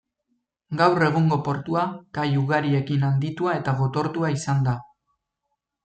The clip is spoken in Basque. Gaur egungo portua kai ugariekin handitua eta gotortua izan da.